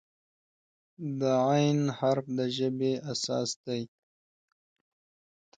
د "ع" حرف د ژبې اساس دی.